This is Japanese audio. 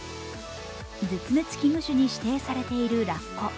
絶滅危惧種に指定されているラッコ。